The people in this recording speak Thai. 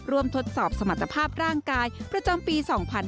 ทดสอบสมรรถภาพร่างกายประจำปี๒๕๕๙